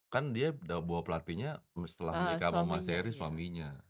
kan dia udah bawa pelatihnya setelah nikah sama mas eris suaminya